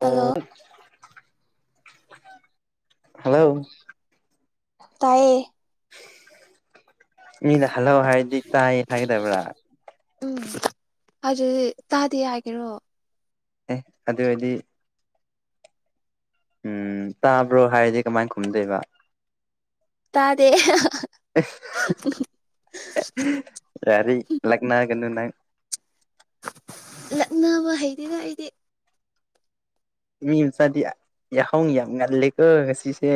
hello [inaudible] hello ꯇꯥꯏꯌꯦ ꯃꯤꯅ hello ꯍꯥꯏꯔꯗꯤ ꯇꯥꯏꯌꯦ ꯇꯥꯏꯌꯦ ꯍꯥꯢꯒꯗꯧꯕꯔꯥ ꯎꯝ ꯑꯗꯨꯗꯤ ꯇꯥꯗꯦ ꯍꯥꯏꯒꯦꯔꯣ ꯑꯦ ꯑꯗꯨ ꯑꯣꯏꯗꯤ ꯎꯝ ꯇꯥꯕ꯭ꯔꯣ ꯍꯥꯏꯔꯗꯤ ꯀꯃꯥꯏꯅ ꯈꯨꯝꯗꯣꯏꯕ ꯇꯥꯗꯦ ꯑꯁ [unintelligible] ꯂꯛꯅꯒꯅꯨ ꯅꯪ ꯂꯛꯅꯕ ꯍꯩꯇꯦꯗ ꯑꯩꯗꯤ ꯃꯤ ꯃꯆꯥꯗꯤ ꯌꯥꯍꯧ ꯌꯥꯝ ꯉꯜꯂꯦꯀꯣ ꯉꯁꯤꯁꯦ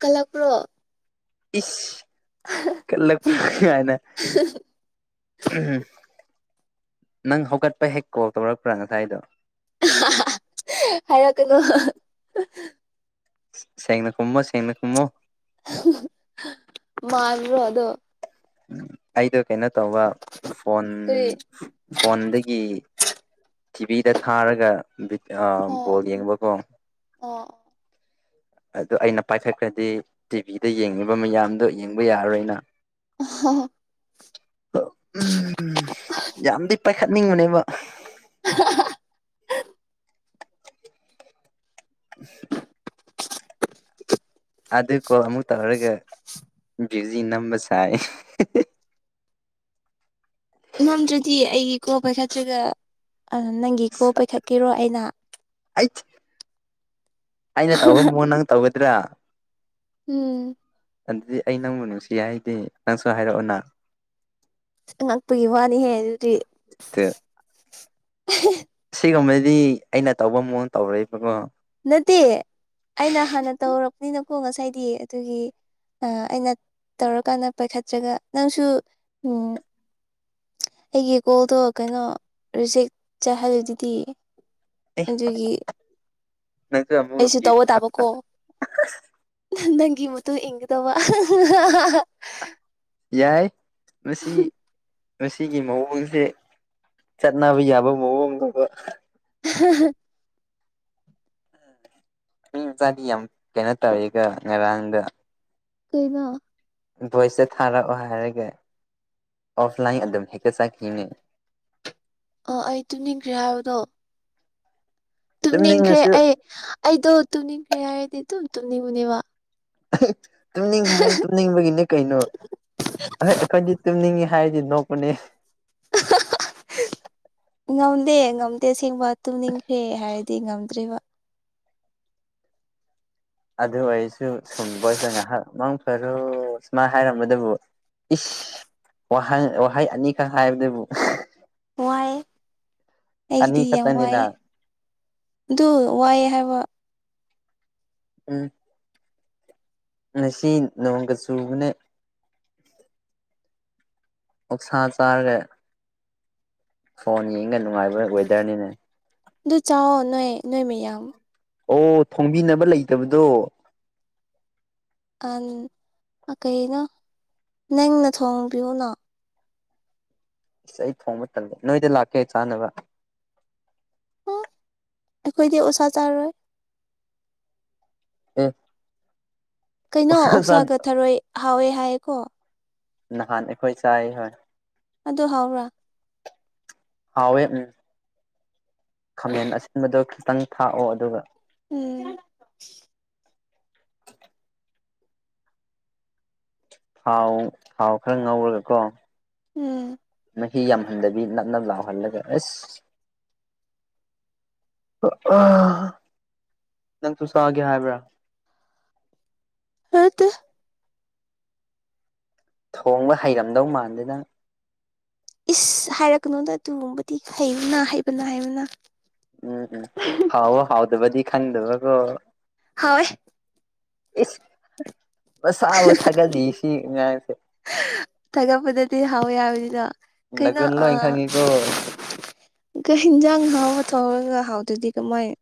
ꯀꯜꯂꯛꯄ꯭ꯔꯣ ꯏꯁ ꯀꯜꯂꯛꯄ꯭ꯔꯣ ꯀꯥꯏꯅ ꯎꯝ ꯅꯪ ꯍꯧꯒꯠꯄ ꯍꯦꯛ ꯀꯣꯜ ꯇꯧꯔꯛꯄ꯭ꯔꯥ ꯉꯁꯥꯏꯗꯣ ꯍꯥꯏꯔꯛꯀꯅꯨ ꯁꯦꯡꯅ ꯈꯨꯝꯃꯣ ꯁꯦꯡꯅ ꯈꯨꯝꯃꯣ ꯃꯥꯟꯕ꯭ꯔꯣ ꯑꯗꯣ ꯎꯝ ꯑꯩꯗꯣ ꯀꯩꯅꯣ ꯇꯧꯕ ꯐꯣꯟ ꯀꯔꯤ ꯐꯣꯟꯗꯒꯤ ꯇꯤꯚꯤꯗ ꯊꯥꯔꯒ ꯑꯣ ꯕꯣꯜ ꯌꯦꯡꯕꯀꯣ ꯑꯣ ꯑꯗꯨ ꯑꯩꯅ ꯄꯥꯏꯈꯠꯈ꯭ꯔꯗꯤ ꯇꯤꯚꯤꯗ ꯌꯦꯡꯉꯤꯕ ꯃꯌꯥꯝꯗꯣ ꯌꯦꯡꯕ ꯌꯥꯔꯔꯣꯏꯅ [unintelligible] ꯎꯝ ꯌꯥꯝꯗꯤ ꯄꯥꯏꯈꯠꯅꯤꯡꯕꯅꯦꯕ [unintelligible] ꯑ [inaudible] ꯑꯗꯨ ꯀꯣꯜ ꯑꯃꯨꯛ ꯇꯧꯔꯒ ꯕꯤꯖꯤ ꯅꯝꯕ ꯁꯥꯏꯌꯦ ꯅꯝꯗ꯭ꯔꯗꯤ ꯑꯩꯒꯤ ꯀꯣꯜ ꯄꯥꯢꯈꯠꯇ꯭ꯔꯥꯒ ꯑꯗꯨ ꯅꯪꯒꯤ ꯀꯣꯜ ꯄꯥꯏꯈꯠꯀꯦꯔꯣ ꯑꯩꯅ ꯑꯩꯠ ꯑꯩꯅ ꯇꯧꯕ ꯃꯑꯣꯡ ꯅꯪ ꯇꯧꯒꯗ꯭ꯔꯥ ꯎꯝ ꯑꯗꯨꯗꯤ ꯑꯩ ꯅꯪꯕꯨ ꯅꯨꯡꯁꯤ ꯍꯥꯏꯒꯦ ꯅꯪꯁꯨ ꯍꯥꯏꯔꯛꯑꯣꯅ ꯉꯛꯄꯒꯤ ꯋꯥꯅꯤꯍꯦ ꯑꯗꯨꯗꯤ ꯁꯤꯒꯨꯝꯕꯗꯤ ꯑꯩꯅ ꯇꯧꯕ ꯃꯑꯣꯡ ꯇꯧꯔꯣꯢꯕꯀꯣ ꯅꯠꯇꯦ ꯑꯩꯅ ꯍꯥꯟꯅ ꯇꯧꯔꯛꯄꯅꯤꯅꯀꯣ ꯉꯁꯥꯏꯗꯤ ꯑꯗꯨꯒꯤ ꯑꯩꯅ ꯇꯧꯔꯀꯥꯟꯗ ꯄꯥꯏꯈꯠꯇ꯭ꯔꯒ ꯅꯪꯁꯨ ꯎꯝ ꯑꯩꯒꯤ ꯀꯣꯜꯗꯣ ꯀꯩꯅꯣ ꯔꯤꯖꯦꯛ ꯆꯠꯍꯜꯂꯤꯗꯨꯗꯤ ꯑꯦ ꯑꯗꯨꯒꯤ ꯅꯪꯁꯨ ꯑꯩꯁꯨ ꯑꯃꯨꯛ ꯇꯧꯕ ꯇꯥꯕꯀꯣ ꯅꯪꯒꯤ ꯃꯇꯨꯨ ꯏꯟꯒꯗꯕ [inaudible] ꯌꯥꯏ ꯃꯁꯤ ꯃꯁꯤꯒꯤ ꯃꯑꯣꯡꯁꯦ ꯆꯠꯅꯕ ꯌꯥꯕ ꯃꯑꯣꯡꯒꯨꯝꯕ [unintelligible] ꯃꯤ ꯃꯆꯥꯗꯤ ꯌꯥꯝ ꯀꯩꯅꯣ ꯇꯧꯋꯤꯒꯣ ꯉꯔꯥꯡꯗꯣ ꯀꯩꯅꯣ ꯚꯣꯏꯁꯇ ꯊꯥꯔꯛꯑꯣ ꯍꯥꯏꯔꯒ ꯑꯣꯐꯂꯥꯏꯟ ꯑꯗꯨꯝ ꯍꯦꯛꯇ ꯆꯠꯈꯤꯅꯦ ꯑꯣ ꯑꯩ ꯇꯨꯝꯅꯤꯡꯈ꯭ꯔꯦ ꯍꯥꯏꯕꯗꯣ ꯇꯨꯝꯅꯤꯡꯈ꯭ꯔꯦ ꯇꯨꯝꯅꯤꯡꯉꯁꯨ ꯑꯩ ꯑꯩꯗꯣ ꯇꯨꯝꯅꯤꯡꯈ꯭ꯔꯦ ꯍꯥꯏꯔꯗꯤ ꯑꯗꯨꯝ ꯇꯨꯝꯅꯤꯡꯕꯅꯦꯕ ꯇꯨꯝꯅꯤꯡꯈ꯭ꯔꯦ ꯍꯥꯏꯔ ꯇꯨꯝꯅꯤꯡꯕꯒꯤꯅꯦ ꯀꯩꯅꯣ ꯑꯩ ꯑꯩꯈꯣꯏꯗꯤ ꯇꯨꯝꯅꯤꯡꯉꯤ ꯍꯥꯏꯔꯗꯤ ꯅꯣꯛꯄꯅꯦ [unintelligible] ꯉꯝꯗꯦ ꯉꯝꯗꯦ ꯑꯁꯦꯡꯕ ꯇꯨꯝꯅꯤꯡꯈ꯭ꯔꯦ ꯍꯥꯏꯔꯗꯤ ꯉꯝꯗ꯭ꯔꯤꯕ ꯑꯗꯨ ꯑꯣꯏꯔꯁꯨ ꯁꯨꯝꯕꯁꯤꯗ ꯉꯥꯏꯍꯥꯛ ꯈꯔꯣ ꯁꯨꯃꯥꯏꯅ ꯍꯥꯏꯔꯝꯕꯗꯕꯨ ꯏꯁ ꯋꯥꯍꯪ ꯋꯥꯍꯩ ꯑꯅꯤꯈꯛ ꯍꯥꯏꯕꯗꯨꯕꯨ ꯋꯥꯏ ꯑꯩꯒꯤꯗꯤ ꯑꯅꯤ ꯌꯥꯝ ꯈꯛꯇꯅꯤꯅ ꯋꯥꯏꯌꯦ ꯑꯗꯨ ꯋꯥꯏꯌꯦ ꯍꯥꯏꯕ ꯎꯝ ꯉꯁꯤ ꯅꯣꯡꯒ ꯆꯨꯕꯅꯦ ꯑꯣꯛꯁꯥ ꯆꯥꯔꯒ ꯐꯣꯟ ꯌꯦꯡꯒ ꯅꯨꯡꯉꯥꯏꯕ ꯋꯦꯗ꯭ꯔꯅꯤꯅꯦ ꯑꯗꯨ ꯆꯥꯎꯋꯣ ꯅꯣꯏ ꯅꯣꯏ ꯃꯌꯥꯝ ꯑꯣ ꯊꯣꯡꯕꯤꯅꯕ ꯂꯩꯇꯕꯗꯣ ꯑꯟ ꯀꯩꯅꯣ ꯅꯪꯅ ꯊꯣꯡꯕꯤꯌꯨꯅ ꯑꯩ ꯊꯣꯡꯕ ꯇꯜꯂꯦ ꯅꯣꯏꯗ ꯂꯛꯀꯦ ꯆꯥꯅꯕ ꯑꯈꯣꯏꯗꯤ ꯑꯣꯛꯁꯥ ꯆꯥꯔꯣꯏ ꯑꯦ ꯀꯩꯅꯣ ꯑꯣꯛꯁꯥ ꯆꯥ ꯑꯣꯛꯁꯥꯒ ꯊꯔꯣꯏ ꯍꯥꯎꯋꯦ ꯍꯥꯏꯀꯣ ꯅꯍꯥꯟ ꯑꯈꯣꯏ ꯆꯥꯏ ꯍꯣꯏ ꯑꯗꯣ ꯍꯥꯎꯕ꯭ꯔ ꯍꯥꯎꯋꯦ ꯎꯝ ꯈꯃꯦꯟ ꯑꯁꯤꯟꯕꯗꯣ ꯈꯤꯇꯪ ꯊꯥꯛꯑꯣ ꯑꯗꯨꯒ ꯎꯨꯝ ꯊꯥꯎ ꯊꯥꯎ ꯈꯔ ꯉꯧꯔꯒꯀꯣ ꯎꯨꯝ ꯃꯍꯤ ꯌꯥꯝꯍꯟꯗꯕꯤ ꯅꯞ ꯅꯞ ꯂꯥꯎꯍꯜꯂꯒ ꯑꯁ ꯑꯥ ꯑꯥꯍ ꯅꯪꯁꯨ ꯆꯥꯒꯦ ꯍꯥꯏꯕ꯭ꯔ ꯑꯥꯇꯦ ꯊꯣꯡꯕ ꯍꯩꯔꯝꯗꯧ ꯃꯥꯟꯗꯦꯗ ꯏꯁ ꯍꯥꯏꯔꯛꯀꯅꯣꯗ ꯑꯗꯨꯒꯨꯝꯕꯗꯤ ꯍꯩꯕꯅ ꯍꯩꯕꯅ ꯍꯩꯕꯅ ꯎꯝ ꯎꯝ ꯍꯥꯎꯕ ꯍꯥꯎꯗꯕꯗꯤ ꯈꯪꯗꯕꯒꯣ ꯍꯣꯏ ꯏꯁ ꯃꯁꯥꯥꯕꯣ ꯊꯥꯒꯠꯂꯤ ꯁꯤ ꯑꯉꯥꯡꯁꯦ ꯍꯥ ꯊꯥꯒꯠꯄꯗꯗꯤ ꯍꯥꯎꯋꯦ ꯍꯥꯏꯕꯅꯤꯗ ꯀꯩꯅꯣ ꯅꯒꯨꯟ ꯂꯣꯏ ꯑꯥ ꯈꯪꯉꯤꯀꯣ [inaudible] ꯀꯩ ꯍꯤꯟꯖꯥꯡ ꯍꯥꯎꯕ ꯊꯣꯡꯔꯒ ꯍꯥꯎꯇ꯭ꯔꯗꯤ ꯀꯃꯥꯏꯟ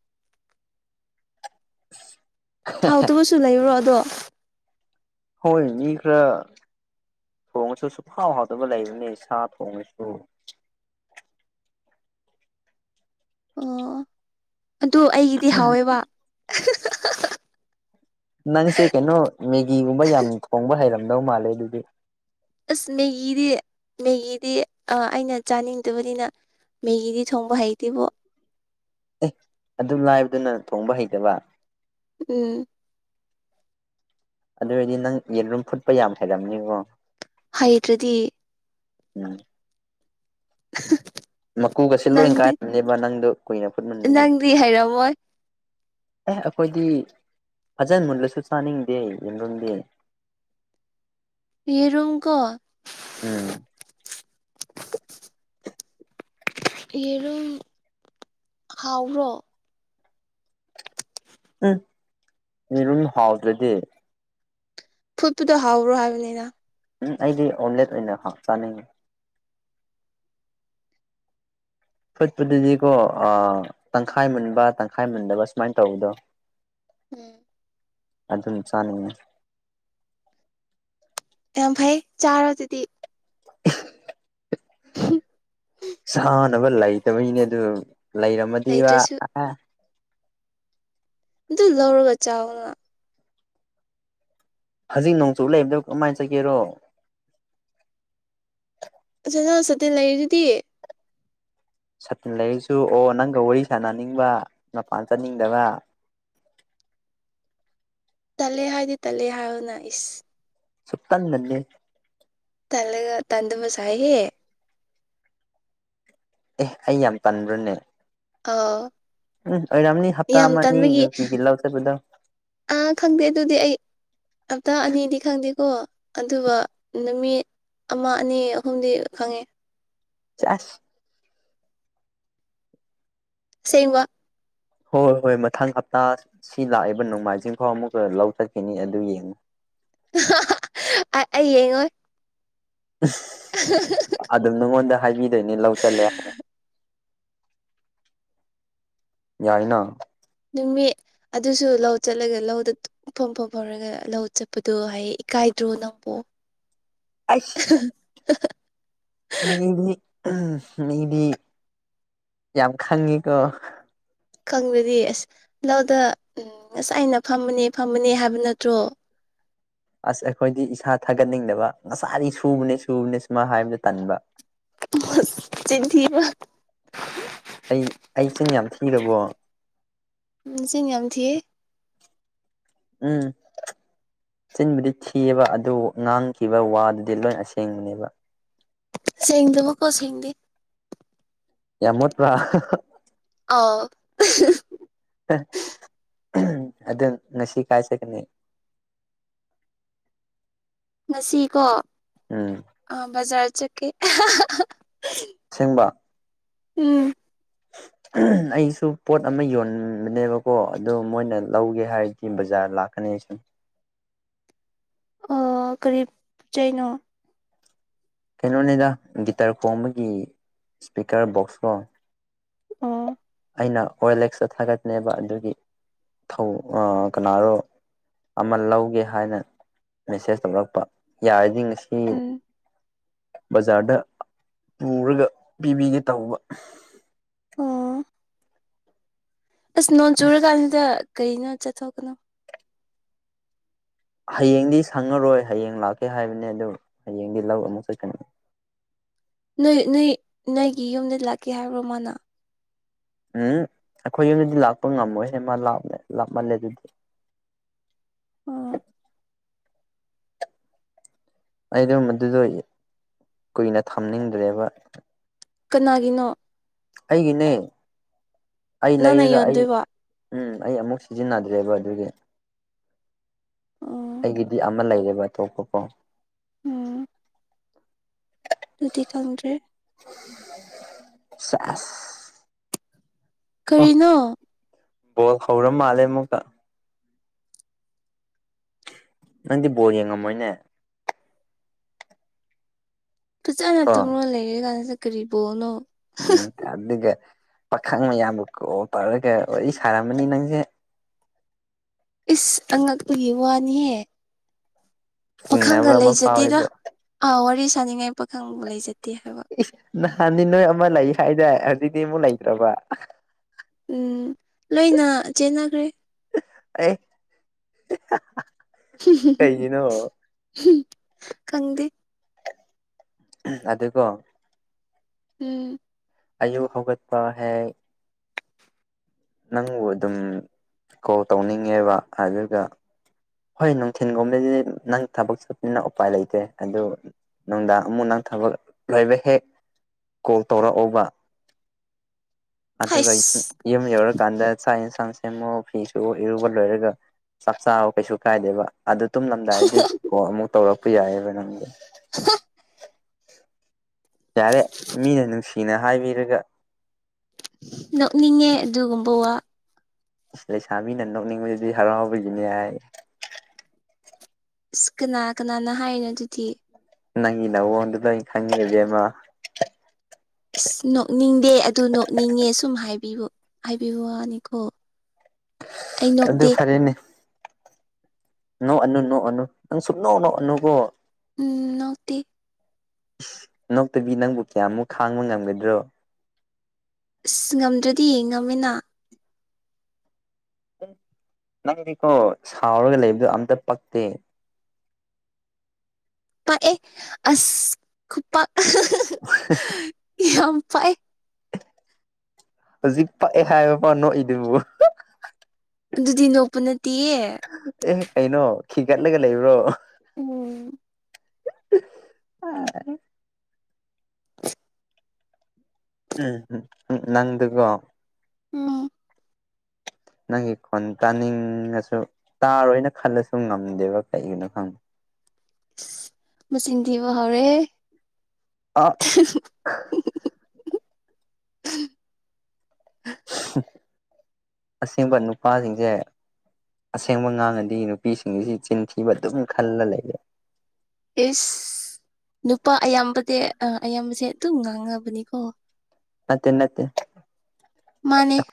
ꯍꯥꯎꯇꯕꯁꯨ ꯂꯩꯕ꯭ꯔꯣ ꯑꯗꯣ ꯍꯣꯏ ꯃꯤ ꯈꯔ ꯊꯣꯡꯉꯁꯨ ꯁꯨꯛꯍꯥꯎ ꯍꯥꯎꯇꯕ ꯂꯩꯕꯅꯦ ꯁꯥ ꯊꯣꯡꯉꯁꯨ ꯑꯣ ꯑꯗꯨ ꯑꯩꯒꯤꯗꯤ ꯍꯥꯎꯋꯦꯕ ꯑꯍꯥ ꯍꯥ ꯍꯥ ꯅꯪꯁꯦ ꯀꯩꯅꯣ ꯃꯦꯒꯤꯒꯨꯝꯕ ꯌꯥꯝ ꯊꯣꯡꯕ ꯍꯩꯔꯝꯗꯧ ꯃꯥꯜꯂꯦ ꯑꯗꯨꯗꯤ ꯑꯥꯁ ꯃꯦꯒꯤꯗꯤ ꯃꯦꯒꯤꯗꯤ ꯑꯥ ꯑꯩꯅ ꯆꯥꯅꯤꯡꯇꯕꯅꯤꯅ ꯃꯦꯒꯤꯗꯤ ꯊꯣꯡꯕ ꯍꯩꯇꯦꯕꯣ ꯑꯦ ꯑꯗꯨꯝ ꯂꯥꯏꯕꯗꯨꯅ ꯊꯣꯡꯕ ꯍꯩꯇꯕ ꯎꯝ ꯑꯗꯨ ꯑꯣꯏꯔꯗꯤ ꯅꯪ ꯌꯦꯔꯨꯝ ꯐꯨꯠꯄ ꯌꯥꯝ ꯍꯩꯔꯝꯅꯤꯒꯣ ꯍꯩꯇ꯭ꯔꯗꯤ ꯎꯝ ꯑꯍꯥ ꯃꯀꯨꯒꯁꯦ ꯂꯣꯏ ꯀꯥꯏꯔꯝꯅꯦꯕ ꯅꯪꯗꯣ ꯀꯨꯏꯅ ꯐꯨꯠꯃꯟꯕꯒꯤ ꯅꯪꯗꯤ ꯍꯩꯔꯝꯃꯣꯏ ꯑꯦ ꯑꯈꯣꯏꯗꯤ ꯐꯖꯟ ꯃꯨꯜꯂꯁꯨ ꯆꯥꯅꯤꯡꯗꯦ ꯌꯦꯔꯨꯝꯗꯤ ꯌꯦꯔꯨꯝꯀꯣ ꯎꯝ ꯌꯦꯔꯨꯝ ꯍꯥꯎꯕ꯭ꯔꯣ ꯎꯨꯝ ꯌꯦꯔꯨꯝ ꯍꯥꯎꯇ꯭ꯔꯗꯤ ꯐꯨꯠꯄꯗꯣ ꯍꯥꯎꯕ꯭ꯔꯣ ꯍꯥꯏꯕꯅꯤꯗ ꯎꯝ ꯑꯩꯗꯤ ꯑꯣꯝꯂꯦꯠ ꯑꯣꯏꯅ ꯍꯥꯞ ꯆꯥꯅꯤꯡꯉꯤ ꯐꯨꯠꯄꯗꯨꯗꯤꯀꯣ ꯑꯥ ꯇꯪꯈꯥꯏ ꯃꯨꯟꯕ ꯇꯪꯈꯥꯏ ꯃꯨꯟꯗꯕ ꯁꯨꯃꯥꯏꯟ ꯇꯧꯕꯗꯣ ꯎꯝ ꯑꯗꯨꯅ ꯆꯥꯅꯤꯡꯉꯦ ꯌꯥꯝ ꯐꯩ ꯆꯥꯔꯣ ꯑꯗꯨꯗꯤ [inaudible] ꯍꯨꯝ ꯍꯥ ꯆꯥꯟꯅꯕ ꯂꯩꯇꯕꯩꯅꯦ ꯑꯗꯨ ꯂꯩꯔꯝꯃꯗꯤꯕ ꯂꯩꯇ꯭ꯔꯁꯨ ꯑꯥ ꯑꯗꯨ ꯂꯧꯔꯒ ꯆꯥꯑꯣꯅ ꯍꯧꯖꯤꯛ ꯅꯣꯡꯆꯨ ꯂꯩꯕꯗꯨ ꯀꯃꯥꯏ ꯆꯠꯀꯦꯔꯣ ꯑꯗꯨ ꯅꯪ ꯁꯥꯇꯤꯟ ꯂꯩꯔꯤꯗꯨꯗꯤ ꯁꯥꯇꯤꯟ ꯂꯩꯔꯁꯨ ꯑꯣ ꯅꯪꯒ ꯋꯥꯔꯤ ꯁꯥꯟꯅꯅꯤꯡꯕ ꯃꯄꯥꯟ ꯆꯠꯅꯤꯡꯗꯕ ꯇꯜꯂꯦ ꯍꯥꯏꯗꯤ ꯇꯜꯂꯦ ꯍꯥꯏꯌꯣꯅ ꯏꯁ ꯁꯨꯛꯇꯟ ꯇꯟꯗꯦ ꯇꯜꯂꯦꯒ ꯇꯟꯗꯕ ꯁꯥꯏꯍꯦ ꯑꯦ ꯑꯩ ꯌꯥꯝ ꯇꯟꯕ꯭ꯔꯥꯅꯦ ꯑꯣ ꯎꯝ ꯑꯣꯏꯔꯝꯅꯤ ꯍꯞꯇꯥ ꯑꯃꯅꯤ ꯅꯨꯡꯇꯤꯒꯤ ꯂꯧ ꯆꯠꯄꯗꯣ ꯑꯥ ꯈꯪꯗꯦ ꯑꯗꯨꯗꯤ ꯑꯩ ꯍꯞꯇꯥ ꯑꯅꯤꯗꯤ ꯈꯪꯗꯦꯀꯣ ꯑꯗꯨꯒ ꯅꯨꯃꯤꯠ ꯑꯃ ꯑꯅꯤ ꯑꯍꯨꯝꯗꯤ ꯈꯪꯉꯦ ꯁꯦꯁ ꯁꯦꯡꯕ ꯍꯣꯏ ꯍꯣꯏ ꯃꯊꯪ ꯍꯞꯇꯥ ꯁꯤ ꯂꯥꯛꯏꯕ ꯅꯣꯡꯃꯥꯏꯖꯤꯡꯐꯥꯎ ꯑꯃꯨꯛꯀ ꯂꯧ ꯆꯠꯈꯤꯅꯤ ꯑꯗꯨ ꯌꯦꯡꯉꯨ ꯑ ꯑꯩ ꯌꯦꯡꯉꯣꯏ [inaudible] [unintelligible] ꯑꯗꯨ ꯅꯉꯣꯟꯗ ꯍꯥꯏꯕꯤꯗꯣꯏꯅꯤ ꯂꯧ ꯆꯠꯂꯦ ꯍꯥꯏ [unintelligible] ꯌꯥꯏꯅꯥ ꯅꯨꯃꯤꯠ ꯑꯗꯨꯁꯨ ꯂꯧ ꯆꯠꯂꯒ ꯂꯧꯗ ꯇꯨ [unintelligible] ꯂꯧ ꯆꯠꯄꯗꯣ ꯍꯥꯏ ꯏꯀꯥꯏꯗ꯭ꯔꯣ ꯅꯪꯕꯣ ꯑꯩꯁ [inaudible] ꯃꯤꯗꯤ ꯃꯤꯗꯤ ꯌꯥꯝ ꯈꯪꯉꯤꯀꯣ ꯈꯪꯗ꯭ꯔꯗꯤ ꯑꯁ ꯂꯧꯗ ꯎꯝ ꯉꯁꯥꯏꯅ ꯐꯝꯕꯅꯦ ꯐꯝꯕꯅꯦ ꯍꯥꯏꯕ ꯅꯠꯇ꯭ꯔꯣ ꯑꯁ ꯑꯩꯈꯣꯏꯗꯤ ꯏꯁꯥ ꯊꯥꯒꯠꯅꯤꯡꯗꯕ ꯉꯁꯥꯏꯗꯒꯤ ꯁꯨꯕꯅꯦ ꯁꯨꯕꯅꯦ ꯁꯨꯃꯥꯏ ꯍꯥꯏꯕꯗꯣ ꯇꯟꯕ ꯑꯁ ꯆꯤꯟ ꯊꯤꯕ ꯑꯩ ꯑꯩ ꯆꯤꯟ ꯌꯥꯝ ꯊꯤꯔꯕꯣ ꯎꯝ ꯅꯆꯤꯟ ꯌꯥꯝꯊꯤ ꯎꯝ ꯆꯤꯟꯕꯨꯗꯤ ꯊꯤꯑꯦꯕ ꯑꯗꯨ ꯉꯥꯡꯈꯤꯕ ꯋꯥꯗꯨꯗꯤ ꯂꯣꯏ ꯑꯁꯦꯡꯕꯅꯦꯕ ꯁꯦꯡꯗꯕꯀꯣ ꯁꯦꯡꯗꯦ ꯌꯥꯝ ꯃꯣꯠꯄꯔꯥ ꯑꯥꯎ ꯑꯗꯣ ꯉꯁꯤ ꯀꯥꯏ ꯆꯠꯀꯅꯤ ꯉꯁꯤ ꯀꯣ ꯎꯝ ꯑꯥ ꯕꯖꯥꯔ ꯆꯠꯀꯦ ꯑꯁꯦꯡꯕ ꯎꯝ ꯑꯩꯁꯨ ꯄꯣꯠ ꯑꯃ ꯌꯣꯟꯕꯅꯦꯕꯀꯣ ꯑꯗꯨ ꯃꯣꯏꯅ ꯂꯧꯒꯦ ꯍꯥꯏꯔꯗꯤ ꯕꯖꯥꯔ ꯂꯥꯛ ꯀꯅꯤ ꯑꯩꯁꯨ ꯑꯣ ꯀꯔꯤ ꯆꯩꯩꯅꯣ ꯀꯩꯅꯣꯅꯤꯗ ꯒꯤꯇꯔ ꯈꯣꯡꯕꯒꯤ ꯏꯁꯄꯤꯀꯔ ꯕꯣꯛꯁ ꯀꯣ ꯑꯣ ꯑꯩꯅ ꯑꯣꯜ ꯑꯦꯛꯁꯇ ꯊꯥꯒꯠꯅꯦꯕ ꯑꯗꯨꯒꯤ ꯊꯧ ꯑꯥ ꯀꯅꯥꯔꯣ ꯑꯃ ꯂꯧꯒꯦ ꯍꯥꯏꯅ ꯃꯦꯁꯦꯁ ꯇꯧꯔꯛꯄ ꯌꯥꯔꯗꯤ ꯉꯁꯤ ꯎꯝ ꯕꯖꯥꯔꯗ ꯄꯨꯔꯒ ꯄꯤꯕꯤꯒꯦ ꯇꯧꯕ ꯑꯝ ꯑꯁ ꯅꯣꯡ ꯆꯨꯔꯀꯥꯟꯁꯤꯗ ꯀꯩꯅꯣ ꯆꯠꯊꯣꯛꯀꯅꯣ ꯍꯌꯦꯡꯗꯤ ꯁꯪꯉꯔꯣꯏ ꯍꯌꯦꯡ ꯂꯥꯛꯀꯦ ꯍꯥꯏꯕꯅꯦ ꯑꯗꯨ ꯍꯌꯦꯡꯗꯤ ꯂꯧ ꯑꯃꯨꯛ ꯆꯠꯀꯅꯤ ꯅꯣꯏ ꯅꯣꯏ ꯅꯣꯏꯒꯤ ꯌꯨꯝꯗ ꯂꯥꯛꯀꯦ ꯍꯥꯏꯕ꯭ꯔꯣ ꯃꯥꯅ ꯎꯝ ꯑꯩꯈꯣꯏ ꯌꯨꯝꯗꯗꯤ ꯂꯥꯛꯄ ꯉꯝꯃꯣꯏꯍꯦ ꯃꯥ ꯂꯥꯞꯃꯦ ꯂꯥꯞꯃꯜꯂꯦ ꯑꯗꯨꯗꯤ ꯑꯣ ꯑꯩꯗꯣ ꯑꯗꯨꯗꯣ ꯀꯨꯏꯅ ꯊꯝꯅꯤꯡꯗ꯭ꯔꯦꯕ ꯀꯅꯥꯒꯤꯅꯣ ꯑꯩꯒꯤꯅꯦ ꯑꯩ ꯅꯪꯅ ꯂꯩꯔꯒ ꯑꯩ ꯌꯣꯟꯗꯣꯏꯕ ꯎꯝ ꯑꯩ ꯑꯃꯨꯛ ꯁꯤꯖꯤꯟꯅꯗ꯭ꯔꯦꯕ ꯑꯗꯨꯒꯤ ꯑꯣ ꯑꯩꯒꯤꯗꯤ ꯑꯃ ꯂꯩꯌꯦꯕ ꯑꯇꯣꯞꯄꯀꯣ ꯎꯝ ꯑꯗꯨꯗꯤ ꯈꯪꯗ꯭ꯔꯦ ꯁꯦꯁ ꯑꯣ ꯀꯔꯤꯅꯣ ꯕꯣꯜ ꯍꯧꯔ ꯃꯥꯜꯂꯦ ꯑꯃꯨꯛꯀ ꯅꯪꯗꯤ ꯕꯣꯜ ꯌꯦꯡꯉꯝꯃꯣꯏꯅꯦ ꯐꯖꯅ ꯀꯣ ꯇꯨꯝꯂ ꯂꯩꯔ ꯀꯥꯟꯁꯤꯗ ꯀꯔꯤ ꯕꯣꯜꯅꯣ ꯎꯝ ꯑꯗꯨꯒ ꯄꯥꯈꯪ ꯃꯌꯥꯝꯕꯨ ꯀꯣꯛ ꯇꯧꯔꯒ ꯋꯥꯔꯤ ꯁꯥꯔꯝꯒꯅꯤ ꯅꯪꯁꯦ ꯏꯁ ꯑꯉꯛꯄꯒꯤ ꯋꯥꯅꯤꯍꯦ ꯄꯥꯈꯪꯒ ꯆꯤꯡꯅꯕ ꯑꯃ ꯂꯩꯖꯗꯦꯗ ꯐꯥꯎꯋꯦꯕ ꯑꯥ ꯋꯥꯔꯤ ꯁꯥꯅꯤꯡꯉꯥꯏ ꯄꯥꯈꯪꯕꯨ ꯂꯩꯖꯗꯦ ꯍꯥꯏꯕ ꯢ ꯅꯍꯥꯟꯗꯤ ꯅꯣꯏ ꯑꯃ ꯂꯩ ꯍꯥꯢꯗꯥꯢ ꯍꯧꯖꯤꯛꯇꯤ ꯑꯃꯨꯛ ꯂꯩꯇ꯭ꯔꯕ ꯎꯝ ꯂꯣꯏꯅ ꯆꯦꯟꯅꯈ꯭ꯔꯦ ꯑꯦ ꯀꯩꯒꯤꯅꯣ ꯈꯪꯗꯦ ꯑꯗꯨꯀꯣ ꯎꯝ ꯑꯌꯨꯛ ꯍꯧꯒꯠꯄ ꯍꯦꯛ ꯍꯥꯏ ꯅꯪꯕꯨ ꯑꯗꯨꯝ ꯀꯣꯜ ꯇꯧꯅꯤꯡꯉꯦꯕ ꯑꯗꯨꯒ ꯍꯣꯢ ꯅꯨꯡꯊꯤꯟꯒꯣꯝꯕ ꯁꯤꯗꯤ ꯅꯪ ꯊꯕꯛ ꯆꯠꯄꯅꯤꯅ ꯎꯄꯥꯏ ꯂꯩꯇꯦ ꯑꯗꯨ ꯅꯨꯡꯗꯥꯡ ꯑꯃꯨꯛ ꯅꯪ ꯊꯕꯛ ꯂꯩꯕ ꯍꯦꯛ ꯀꯣꯜ ꯇꯧꯔꯛꯑꯣꯕ ꯑꯗꯨꯒꯩ ꯍꯩꯁ ꯌꯨꯝ ꯌꯧꯔꯀꯥꯟꯗ ꯆꯥꯛ ꯌꯦꯟꯁꯥꯡ ꯁꯦꯝꯃꯨ ꯐꯤꯁꯨ ꯏꯔꯨꯕ ꯂꯣꯏꯔꯒ ꯆꯥꯛ ꯆꯥꯕ ꯀꯩꯁꯨ ꯀꯥꯏꯗꯦꯕ ꯑꯗꯣ ꯇꯨꯝꯂꯝꯗꯥꯏꯗꯤ ꯊꯣꯜ ꯑꯃꯨꯛ ꯇꯧꯔꯛꯄ ꯌꯥꯏꯑꯦꯕ ꯅꯪꯗꯤ [unintelligible] ꯌꯥꯔꯦ ꯃꯤꯅ ꯅꯨꯡꯁꯤꯅ ꯍꯥꯏꯕꯤꯔꯒ ꯅꯣꯛꯅꯤꯡꯉꯦ ꯑꯗꯨꯒꯨꯝꯕ ꯋꯥ ꯂꯩꯁꯥꯕꯤꯅ ꯅꯣꯛꯅꯤꯡꯕꯗꯤ ꯍꯔꯥꯎꯕꯒꯤꯅꯦ ꯍꯥꯏ ꯑꯁ ꯀꯅꯥ ꯀꯅꯥꯅ ꯍꯥꯏꯅꯣ ꯑꯗꯨꯗꯤ ꯅꯪꯒꯤ ꯅꯎꯣꯟꯗꯨꯗ ꯂꯣꯢꯅ ꯈꯪꯉꯤ ꯏꯕꯦꯝꯃ ꯑꯁ ꯅꯣꯛꯅꯤꯡꯗꯦ ꯑꯗꯨ ꯅꯣꯛꯅꯤꯡꯉꯦ ꯁꯨꯝ ꯍꯥꯏꯕ ꯍꯥꯏꯕꯤꯕ ꯋꯥꯅꯤꯀꯣ [inaudible] ꯑꯗꯨ ꯐꯔꯦꯅꯦ ꯅꯣꯛꯑꯅꯨ ꯅꯣꯛꯑꯅꯨ ꯅꯪ ꯁꯨꯛꯅꯣ ꯅꯣꯛꯑꯅꯨꯀꯣ ꯎꯝ ꯅꯣꯛꯇꯦ ꯏꯁ ꯅꯣꯛꯇꯕꯤ ꯅꯪꯕꯨ ꯀꯌꯥꯃꯨꯛ ꯈꯥꯡꯕ ꯉꯝꯒꯗ꯭ꯔꯣ ꯏꯁ ꯉꯝꯗ꯭ꯔꯗꯤ ꯌꯦꯉꯝꯃꯤꯅ ꯅꯪ ꯅꯪꯗꯤꯀꯣ ꯁꯥꯎꯔꯒ ꯂꯩꯕꯗꯣ ꯑꯝꯇ ꯄꯛꯇꯦ ꯄꯛꯑꯦ ꯑꯁ ꯈꯨꯄꯛ ꯑꯍꯥ ꯍ ꯍꯥ ꯌꯥꯝ ꯄꯛꯑꯦ ꯍꯧꯖꯤꯛ ꯄꯛꯑꯦ ꯍꯥꯏꯕꯐꯥꯎ ꯅꯣꯛꯏꯗꯨꯕꯨ ꯑꯍꯥ ꯑꯗꯨꯗꯤ ꯅꯣꯛꯄ ꯅꯠꯇꯤꯌꯦ ꯑꯦ ꯀꯩꯅꯣ ꯈꯤꯒꯠꯂꯒ ꯂꯩꯕ꯭ꯔꯣ ꯎꯨꯝ ꯑꯥ ꯎꯝ ꯍꯨꯍꯥ ꯅꯪꯗꯨꯀꯣ ꯎꯝ ꯅꯪꯒꯤ ꯈꯣꯟ ꯇꯥꯅꯤꯡꯉꯁꯨ ꯇꯥꯔꯣꯏꯅ ꯈꯜꯂꯁꯨ ꯉꯝꯗꯦꯕ ꯀꯩꯒꯤꯅꯣ ꯈꯪ ꯏꯁ ꯃꯆꯤꯟ ꯊꯤꯕ ꯍꯧꯔꯦꯍꯦ [unintelligible] [unintelligible] ꯍꯥ ꯑꯁꯦꯡꯕ ꯅꯨꯄꯥꯁꯤꯡꯁꯦ ꯑꯁꯦꯡꯕ ꯉꯥꯡꯉꯗꯤ ꯅꯨꯄꯤꯁꯤꯡꯁꯤ ꯆꯤꯟ ꯊꯤꯕ ꯑꯗꯨꯝ ꯈꯜꯂ ꯂꯩꯔꯦ ꯏꯁ ꯅꯨꯄꯥ ꯑꯌꯥꯝꯕꯗꯤ ꯑꯥ ꯑꯌꯥꯝꯕꯁꯦ ꯑꯗꯨꯝ ꯉꯥꯡꯉꯕꯅꯤꯀꯣ ꯅꯠꯇꯦ ꯅꯠꯇꯦ ꯃꯥꯟꯅꯤ